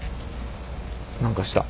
何かした。